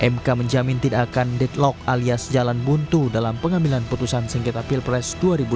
mk menjamin tidak akan deadlock alias jalan buntu dalam pengambilan putusan sengketa pilpres dua ribu dua puluh